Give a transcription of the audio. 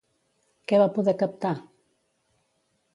Què va poder captar?